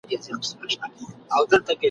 پر سپین آس باندي وو سپور لکه سلطان وو ..